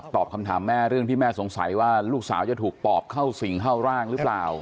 คำถามแม่เรื่องที่แม่สงสัยว่าลูกสาวจะถูกปอบเข้าสิ่งเข้าร่างหรือเปล่า